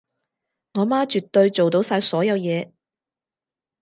我媽絕對做到晒所有嘢